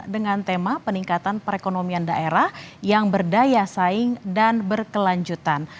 dengan tema peningkatan perekonomian daerah yang berdaya saing dan berkelanjutan